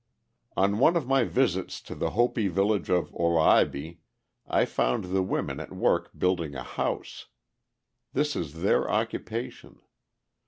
On one of my visits to the Hopi village of Oraibi I found the women at work building a house. This is their occupation.